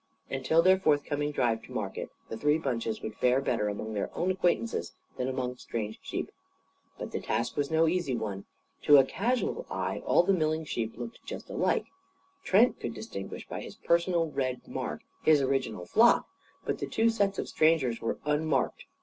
Until their forthcoming drive to market, the three bunches would fare better among their own acquaintances than among strange sheep. But the task was no easy one. To a casual eye all the milling sheep looked just alike. Trent could distinguish by his personal red mark his original flock. But the two sets of strangers were unmarked.